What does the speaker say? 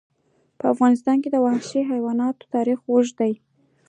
په افغانستان کې د وحشي حیواناتو تاریخ اوږد دی.